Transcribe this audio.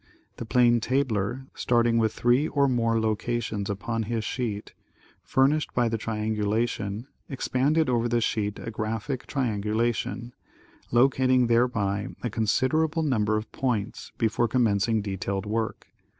The plane tabler, starting with three or more locations upon his sheet, fur nished by the triangulation, expanded over the sheet a graphic triangulation, locating thereby a considerable number of points, before commencing detailed work.